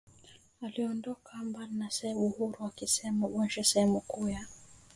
aliondoa mabaki ya Serbia huru alishinda Bosnia sehemu kuu ya